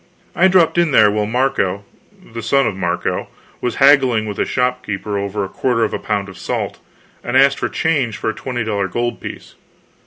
I dropped in there while Marco, the son of Marco, was haggling with a shopkeeper over a quarter of a pound of salt, and asked for change for a twenty dollar gold piece.